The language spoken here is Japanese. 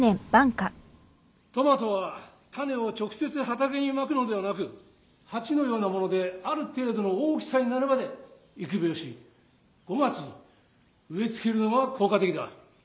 トマトは種を直接畑にまくのではなく鉢のような物である程度の大きさになるまで育苗し５月に植え付けるのが効果的だ。